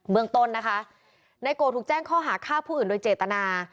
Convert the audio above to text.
เมืองต้นนะคะนายโกถูกแจ้งข้อหาฆ่าผู้อื่นโดยเจตนา